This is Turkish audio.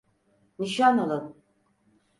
Nişan alın!